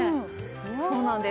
そうなんです